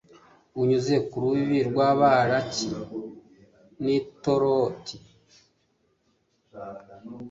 unyuze ku rubibi rw'abariki, i ataroti